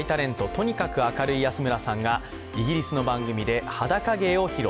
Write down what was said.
とにかく明るい安村さんがイギリスの番組で裸芸を披露。